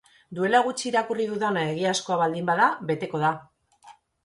Duela gutxi irakurri dudana egiazkoa baldin bada beteko da.